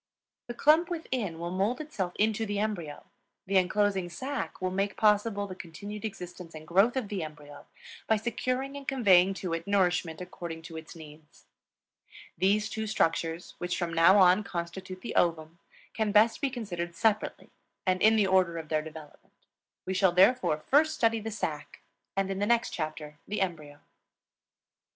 The clump within will mold itself into the embryo; the inclosing sac will make possible the continued existence and growth of the embryo by securing and conveying to it nourishment according to its needs. These two structures, which from now on constitute the ovum, can best be considered separately and in the order of their development. We shall therefore first study the sac and in the next chapter the embryo.